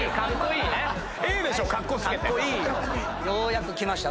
ようやくきました。